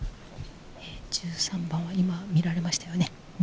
１３番は今、見られましたね。